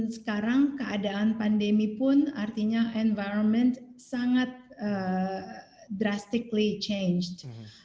sekarang keadaan pandemi pun artinya environment sangat drastically change